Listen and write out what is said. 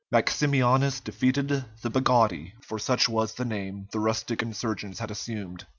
Maximianus defeated the Bagaudi, for such was the name the rustic insurgents had assumed.